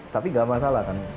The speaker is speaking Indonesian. tapi gak masalah kan